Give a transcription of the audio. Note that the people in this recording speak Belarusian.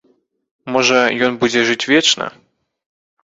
Можа, ён будзе жыць вечна?